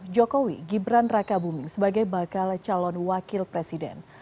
jokowi gibran raka buming sebagai bakal calon wakil presiden